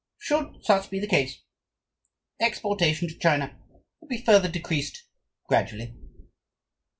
Should such be the case, exportation to China will be further decreased gradually.